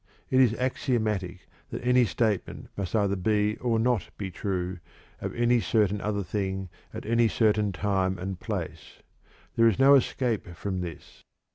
It is axiomatic that any statement must either be or not be true of a certain other thing at any certain time and place; there is no escape from this.